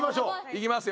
いきますよ。